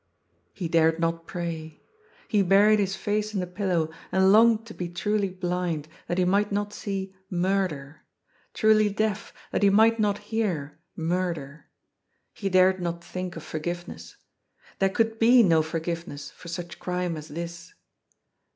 He dared not pray. He buried bis face in the pillow and longed to be truly blind, that he might not see '' mur der "; truly deaf, that he might not hear " murder." He dared not think of forgiveness. There could be no forgive ness for such crime as this.